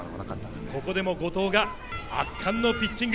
ここでも後藤が圧巻のピッチング。